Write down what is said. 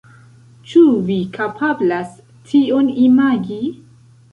Ĉu vi kapablas tion imagi?